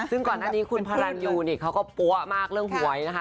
ซึ่งก่อนหน้านี้คุณพระรันยูนี่เขาก็ปั๊วมากเรื่องหวยนะคะ